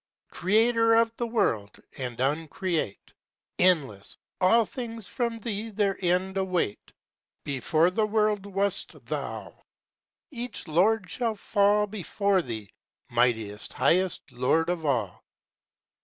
Creator of the world, and uncreate! Endless! all things from Thee their end await. Before the world wast Thou! each Lord shall fall Before Thee, mightiest, highest, Lord of all.